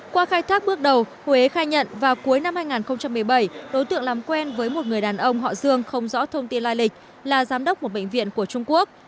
qua khai thác bước đầu huế khai nhận vào cuối năm hai nghìn một mươi bảy đối tượng làm quen với một người đàn ông họ dương không rõ thông tin lai lịch là giám đốc một bệnh viện của trung quốc